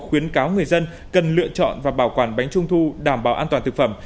khuyến cáo người dân cần lựa chọn và bảo quản bánh trung thu đảm bảo an toàn thực phẩm